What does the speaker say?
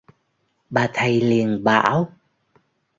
bà thầy liền bảo